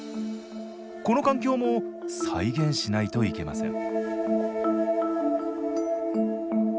この環境も再現しないといけません